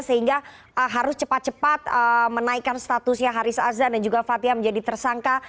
sehingga harus cepat cepat menaikkan statusnya haris azan dan juga fathia menjadi tersangka